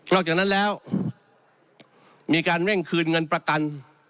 อกจากนั้นแล้วมีการเร่งคืนเงินประกัน